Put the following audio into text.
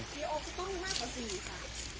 ดีโอก็ต้องมากกว่าสี่ค่ะ